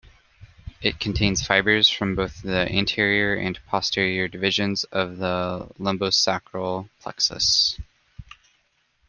It contains fibers from both the anterior and posterior divisions of the lumbosacral plexus.